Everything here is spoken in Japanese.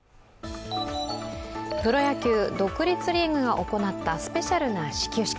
プロ野球、独立リーグが行ったスペシャルな始球式。